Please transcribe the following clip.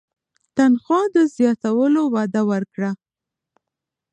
تنخوا د زیاتولو وعده ورکړه.